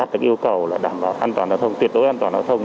đã đạt được yêu cầu là đảm bảo an toàn giao thông tuyệt đối an toàn giao thông